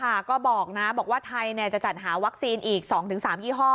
ก็บอกนะบอกว่าไทยจะจัดหาวัคซีนอีก๒๓ยี่ห้อ